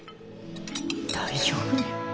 大丈夫ね？